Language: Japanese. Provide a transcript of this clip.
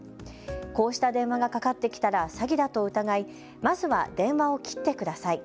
こうした電話がかかってきたら詐欺だと疑いまずは電話を切ってください。